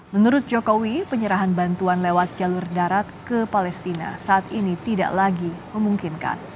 menurut jokowi penyerahan bantuan lewat jalur darat ke palestina saat ini tidak lagi memungkinkan